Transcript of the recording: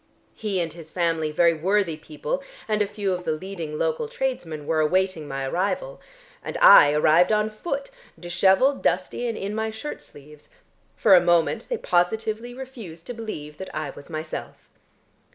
He and his family, very worthy people, and a few of the leading local tradesmen were awaiting my arrival. And I arrived on foot, dishevelled, dusty and in my shirt sleeves. For a moment they positively refused to believe that I was myself."